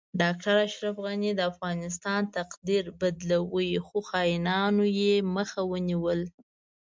ډاکټر اشرف غنی د افغانستان تقدیر بدلو خو خاینانو یی مخه ونیوه